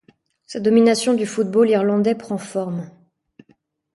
Sa domination du football irlandais prend forme.